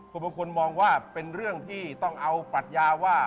ส่วนบางคนมองว่าเป็นเรื่องที่ต้องเอาปรัชญาว่า